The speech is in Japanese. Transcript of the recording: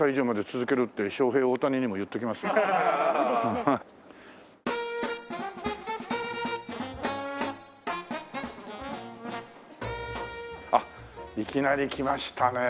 ハハッ。あっいきなりきましたね。